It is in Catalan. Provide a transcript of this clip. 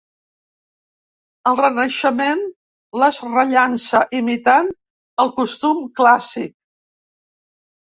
El Renaixement les rellança, imitant el costum clàssic.